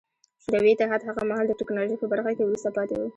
شوروي اتحاد هغه مهال د ټکنالوژۍ په برخه کې وروسته پاتې و